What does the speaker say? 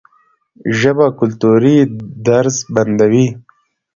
ژبه کلتوري درز بندوي.